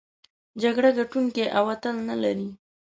جګړه ګټوونکی او اتل نلري.